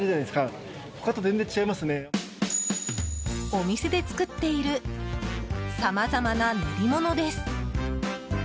お店で作っているさまざまな練り物です。